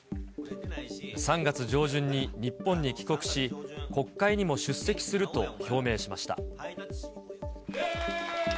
３月上旬に日本に帰国し、国会にも出席すると表明しました。